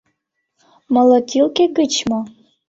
Молотилке гыч мо?